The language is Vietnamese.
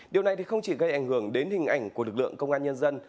điều này không chỉ gây ảnh hưởng đến hình ảnh của lực lượng công an nhân dân